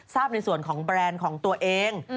ทราบในส่วนของแบรนด์ของตัวเอง